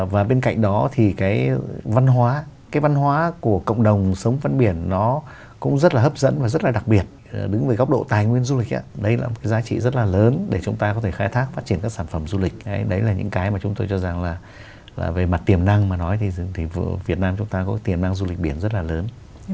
và bên cạnh đó thì cái văn hóa cái văn hóa của cộng đồng sống văn biển nó cũng rất là hấp dẫn và rất là đặc biệt đứng với góc độ tài nguyên du lịch đấy là một cái giá trị rất là lớn để chúng ta có thể khai thác phát triển các sản phẩm du lịch đấy là những cái mà chúng tôi cho rằng là về mặt tiềm năng mà nói thì việt nam chúng ta có tiềm năng du lịch biển rất là lớn